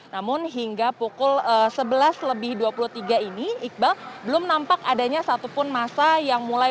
namun hingga pukul sebelas lebih dua puluh tiga ini iqbal belum nampak adanya satupun masa yang mulai